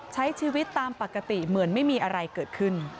ใช้ชีวิตตามปกติเหมือนไม่มีอะไรเกิดขึ้น